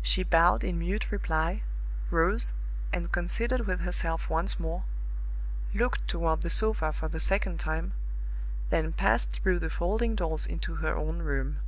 She bowed in mute reply, rose, and considered with herself once more looked toward the sofa for the second time then passed through the folding doors into her own room.